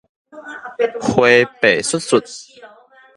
花白 sut-sut